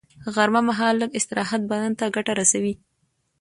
غرمه مهال لږ استراحت بدن ته ګټه رسوي